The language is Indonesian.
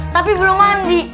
tapi belum mandi